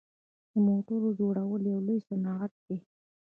د موټرو جوړول یو لوی صنعت دی.